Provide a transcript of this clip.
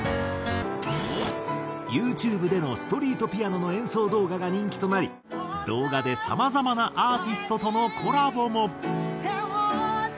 ユーチューブでのストリートピアノの演奏動画が人気となり動画でさまざまなアーティストとのコラボも。